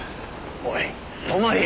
おい泊。